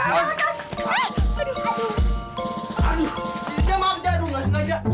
ya maaf jaduh nggak sengaja